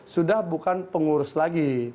sudah bukan pengurus lagi